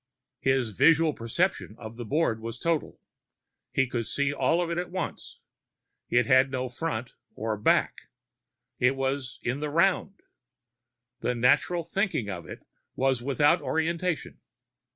His visual perception of the board was total. He could see all of it at once. It had no "front" or "back." It was in the round. The natural thinking of it was without orientation.